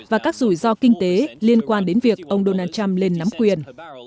và các rủi ro kinh tế liên quan đến việc ông donald trump lên nắm quyền